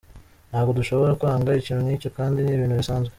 Ntabwo dushobora kwanga ikintu nk’icyo kandi ni ibintu bisanzwe.